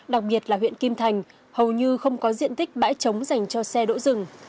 đặc biệt là huyện kim thành hầu như không có diện tích bãi trống dành cho xe đỗ rừng